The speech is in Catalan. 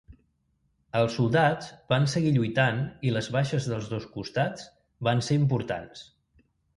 Els soldats van seguir lluitant i les baixes dels dos costats van ser importants.